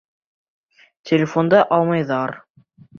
Телефонды алмайҙар.